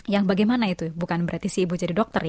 yang bagaimana itu bukan berarti si ibu jadi dokter ya